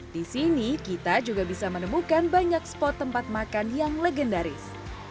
di sini kita juga bisa menemukan banyak spot tempat makan yang legendaris